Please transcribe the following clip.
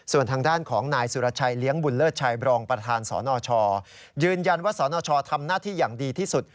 ส่วนทางด้านของนายสุรชัยเลี้ยงบุญเลิศชัยบรองประธานสนชยืนยันว่าสนชทำหน้าที่อย่างดีที่สุด